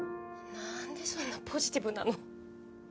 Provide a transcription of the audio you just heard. なんでそんなポジティブなの？